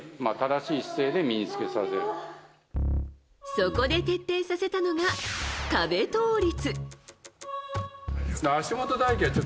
そこで徹底させたのが壁倒立。